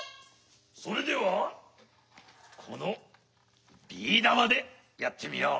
それではこのビーだまでやってみよう。